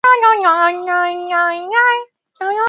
walikuwa na nia nzuri